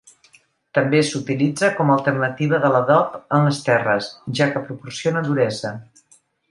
També s'utilitza com a alternativa de l'adob en les terres, ja que proporciona duresa.